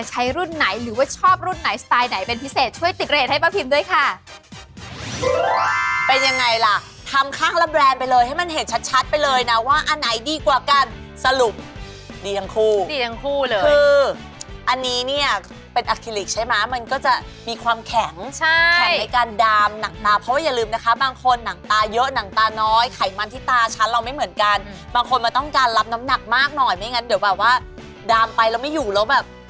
ให้มันเห็นชัดชัดไปเลยนะว่าอันไหนดีกว่ากันสรุปดีทั้งคู่ดีทั้งคู่เลยคืออันนี้เนี่ยเป็นอคลิกใช่มะมันก็จะมีความแข็งใช่แข็งในการดามหนังตาเพราะว่าอย่าลืมนะคะบางคนหนังตาเยอะหนังตาน้อยไขมันที่ตาชั้นเราไม่เหมือนกันบางคนมันต้องการรับน้ำหนักมากหน่อยไม่งั้นเดี๋ยวแบบว่าดามไปแล้วไม่อยู่แล้วแบบ